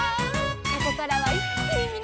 「ここからはいっきにみなさまを」